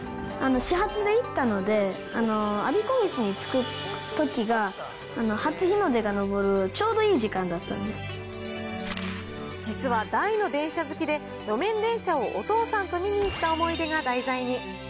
始発で行ったので、我孫子道に着くときが初日の出が昇るちょうどいい時間だったんで実は大の電車好きで、路面電車をお父さんと見に行った思い出が題材に。